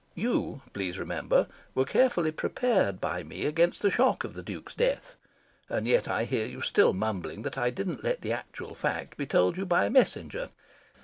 You, please remember, were carefully prepared by me against the shock of the Duke's death; and yet I hear you still mumbling that I didn't let the actual fact be told you by a Messenger.